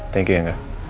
thank you ya enggak